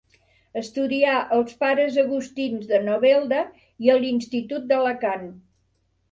Estudià als Pares Agustins de Novelda i a l'Institut d'Alacant.